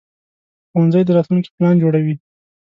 ښوونځی د راتلونکي پلان جوړوي